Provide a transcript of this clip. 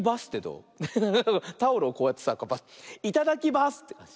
タオルをこうやってさ「いただきバス」ってかんじ。